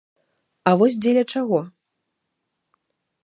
А вось дзеля чаго?